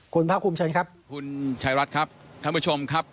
คุณภาคภูมิเชิญครับคุณชายรัฐครับท่านผู้ชมครับ